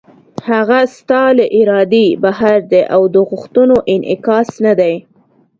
هغه ستا له ارادې بهر دی او د غوښتنو انعکاس نه دی.